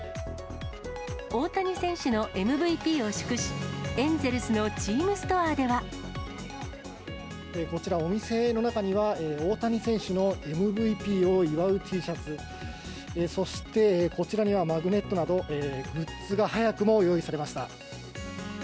大谷選手のＭＶＰを祝し、エンゼルスのチームストアでは。こちら、お店の中には、大谷選手のＭＶＰを祝うＴシャツ、そしてこちらにはマグネットなど、グッズが早くも用意されました。